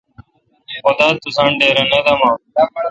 خدا تساں ڈیراے° نہ دمہ۔